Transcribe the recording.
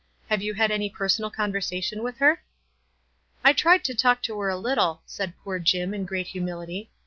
Have you had any personal conversation with her ?"" I tried to talk to her a little," said poor Jim, in great humility.